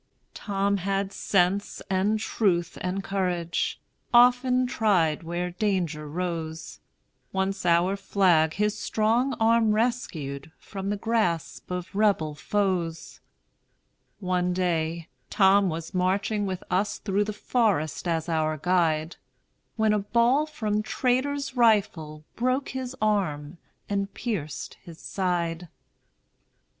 Tom had sense and truth and courage, Often tried where danger rose: Once our flag his strong arm rescued From the grasp of Rebel foes. One day, Tom was marching with us Through the forest as our guide, When a ball from traitor's rifle Broke his arm and pierced his side.